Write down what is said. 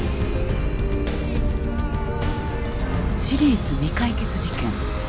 シリーズ「未解決事件」